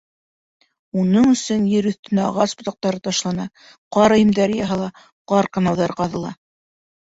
Уның өсөн ер өҫтөнә ағас ботаҡтары ташлана, ҡар өйөмдәре яһала, ҡар канауҙары ҡаҙыла.